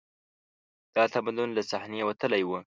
دا تمدن له صحنې وتلی و